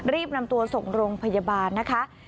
รีบนำตัวส่งโรงพยาบาลนะคะ